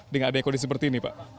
dengan adanya kondisi seperti ini pak